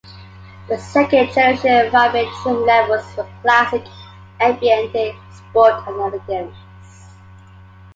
The second generation Fabia trim levels were Classic, Ambiente, Sport and Elegance.